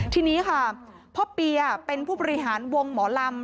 ทีนี้ค่ะพ่อเปียเป็นผู้บริหารวงหมอลำ